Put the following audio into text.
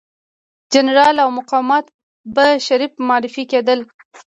جنرالان او مقامات به شریف معرفي کېدل.